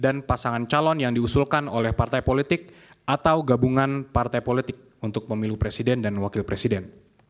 dan pasangan calon yang diusulkan oleh partai politik atau gabungan partai politik untuk pemilu presiden dan wakil presiden